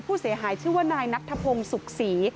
ผู้เสียหายชื่อว่านายนัทธพงศ์สุขศรี